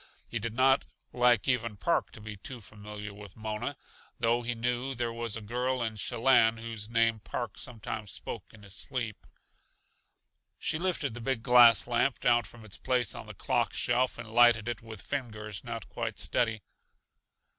He did not like even Park to be too familiar with Mona, though he knew there was a girl in Shellanne whose name Park sometimes spoke in his sleep. She lifted the big glass lamp down from its place on the clock shelf and lighted it with fingers not quite steady.